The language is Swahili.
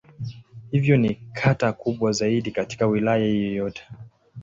Hivyo ni kata kubwa zaidi katika Wilaya hiyo yote.